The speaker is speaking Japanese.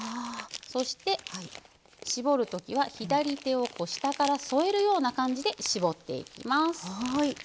そして、絞るときは左手を下から添えるような感じで絞っていきます。